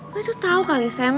gue itu tau kali sam